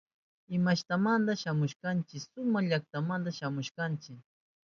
¿Imashnamantata shamushkankichi? Suma llaktamanta shamushkanchi.